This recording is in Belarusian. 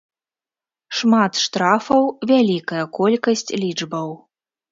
Шмат штрафаў, вялікая колькасць лічбаў.